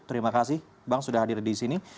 terima kasih bang sudah hadir di sini